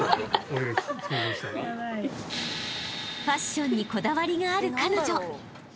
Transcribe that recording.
［ファッションにこだわりがある彼女］